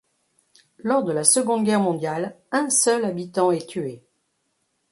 Lors de la Seconde Guerre mondiale, un seul habitant est tué.